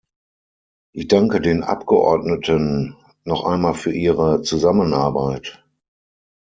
Ich danke den Abgeordneten noch einmal für ihre Zusammenarbeit.